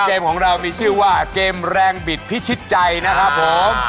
เกมของเรามีชื่อว่าเกมแรงบิดพิชิตใจนะครับผม